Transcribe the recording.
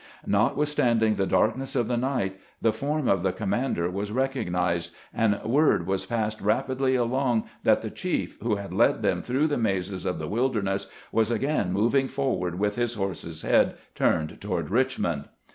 Notwithstanding the darkness of the night, the form of the commander HAIL TO THE CHIEF ! 79 was recognized, and word was passed rapidly along that the chief who had led them through the mazes of the Wilderness was again moving forward with his horse's head turned toward Richmond.